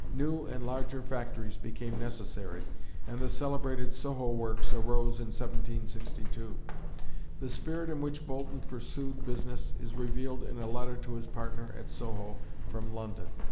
New and larger factories became necessary, and the celebrated Soho works arose in 1762. The spirit in which Boulton pursued business is revealed in a letter to his partner at Soho from London.